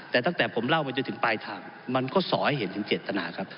ผมอภิปรายเรื่องการขยายสมภาษณ์รถไฟฟ้าสายสีเขียวนะครับ